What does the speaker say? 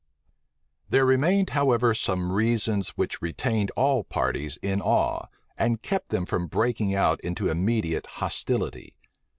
There remained, however, some reasons which retained all parties in awe, and kept them from breaking out into immediate hostility.